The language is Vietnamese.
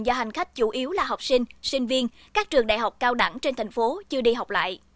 do hành khách chủ yếu là học sinh sinh viên các trường đại học cao đẳng trên thành phố chưa đi học lại